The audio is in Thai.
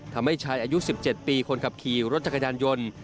ทำให้ชายอายุ๑๗ปีคนขับขี่รถจักรยานยนต์